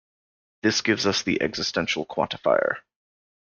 This gives us the existential quantifier.